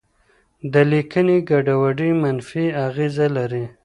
د لیکنې ګډوډي منفي اغېزه لري.